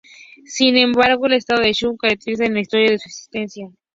Sin embargo, el estado de Shu carecía de una historia de su existencia.